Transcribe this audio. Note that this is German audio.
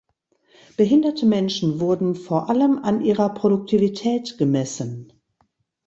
Behinderte Menschen wurden vor allem an ihrer Produktivität gemessen.